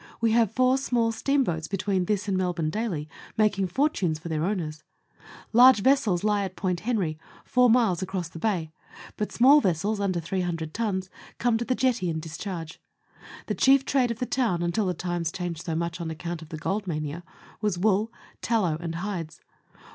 We have four small steamboats be tween this and Melbourne daily, making fortunes for their owners; large vessels lie at Point Henry, four miles across the bay; but small vessels, under 300 tons, come to the jetty and discharge. The chief trade of the town until the times changed so much on account of the gold mania was wool, tallow, and hides.